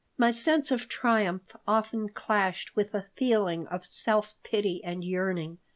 My sense of triumph often clashed with a feeling of self pity and yearning.